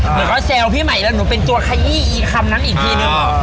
หนูก็แซวพี่ใหม่แล้วหนูเป็นตัวขยี้อีคำนั้นอีกทีนึง